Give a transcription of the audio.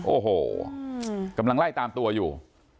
โอ้โหกำลังไล่ตามตัวอยู่